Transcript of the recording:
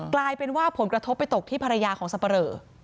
กลายเป็นว่าผลกระทบไปตกที่ภรรยาของสับปะเรอ